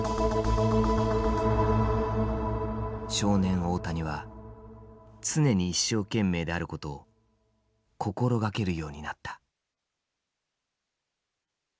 少年大谷は常に一生懸命であることを心掛けるようになった。